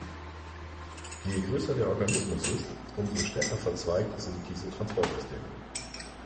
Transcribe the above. Je größer der Organismus ist, umso stärker verzweigt sind diese Transportsysteme.